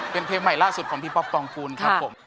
เป็นเพลงใหม่ล่าสุดของพี่ป๊อปปองกูลครับผม